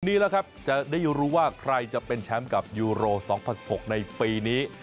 นี่แหละครับจะได้รู้ว่าใครจะเป็นแชมป์กับยูโร๒๐๑๖ในปีนี้